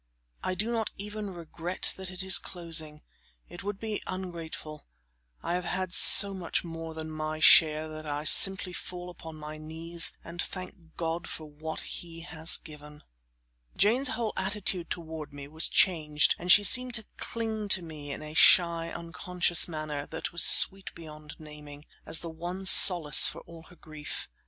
I do not even regret that it is closing; it would be ungrateful; I have had so much more than my share that I simply fall upon my knees and thank God for what He has given. Jane's whole attitude toward me was changed, and she seemed to cling to me in a shy, unconscious manner, that was sweet beyond the naming, as the one solace for all her grief.